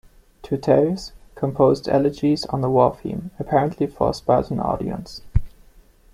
Tyrtaeus composed elegies on a war theme, apparently for a Spartan audience.